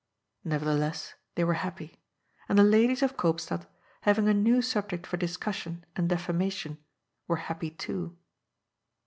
Nevertheless they were happy. And the ladies of Koop stad, having a new subject for discussion and defamation, were happy too.